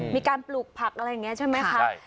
มีการปลูกผักอะไรอย่างเนี้ยใช่ไหมคะใช่